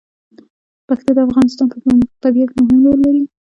پکتیا د افغانستان په طبیعت کې مهم رول لري.